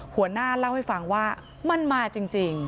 หัวหน้าเล่าให้ฟังว่ามันมาจริง